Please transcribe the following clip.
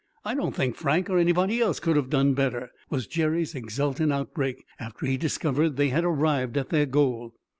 I don't think Frank or anybody else could have done better!" was Jerry's exultant outbreak, after he discovered that they had arrived at their goal.